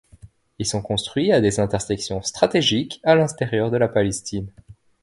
Ils sont construits à des intersections stratégiques à l'intérieur de la Palestine.